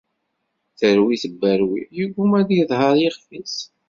Terwi tebberwi, yegguma ad yedher yixef-is